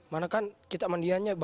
mana kan kita mandianya ganti ganti gitu